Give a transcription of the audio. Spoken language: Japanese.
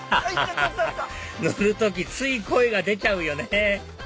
ハハハハ乗る時つい声が出ちゃうよね